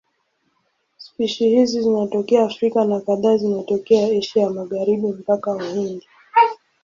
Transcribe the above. Spishi hizi zinatokea Afrika na kadhaa zinatokea Asia ya Magharibi mpaka Uhindi.